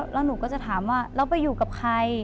แล้วหนูก็จะถามว่าแล้วไปอยู่กับใคร